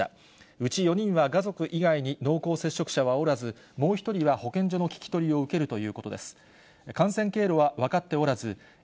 うち４人は、家族以外に濃厚接触者はおらず、もう１人は保健所の聞き取りを受けるということです。